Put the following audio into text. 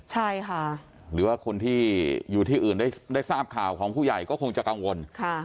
ใช่ค่ะหรือว่าคนที่อยู่ที่อื่นได้ทราบข่าวของผู้ใหญ่ก็คงจะกังวล